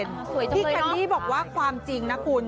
พี่แคนดี้บอกว่าความจริงนะคุณ